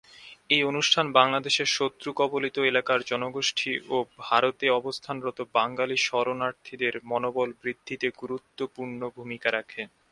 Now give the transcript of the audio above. এই অনুষ্ঠান বাংলাদেশের শত্রু কবলিত এলাকার জনগোষ্ঠী ও ভারতে অবস্থানরত বাঙ্গালী শরণার্থীদের মনোবল বৃদ্ধিতে গুরুত্বপূর্ণ ভূমিকা রাখে।